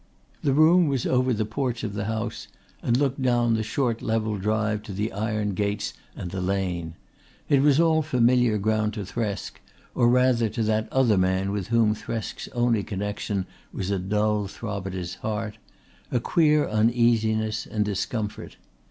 The room was over the porch of the house and looked down the short level drive to the iron gates and the lane. It was all familiar ground to Thresk or rather to that other man with whom Thresk's only connection was a dull throb at his heart, a queer uneasiness and discomfort.